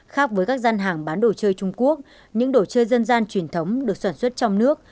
khác với các gian hàng bán đồ chơi trung quốc những đồ chơi dân gian truyền thống được sản xuất trong nước